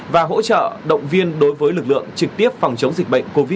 và hỗ trợ động viên đối với lực lượng trực tiếp phòng chống dịch bệnh covid một mươi chín